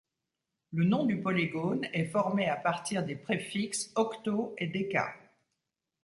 Le nom du polygone est formé à partir des préfixes octo et déca.